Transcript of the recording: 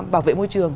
bảo vệ môi trường